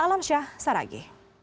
alam syah saragi